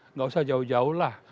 nggak usah jauh jauh lah